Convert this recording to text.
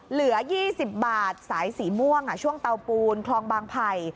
เหลือ๒๐บาทสายสีม่วงช่วงเตาปูนคลองบางไผ่